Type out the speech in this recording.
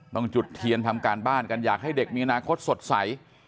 จุดเทียนทำการบ้านกันอยากให้เด็กมีอนาคตสดใส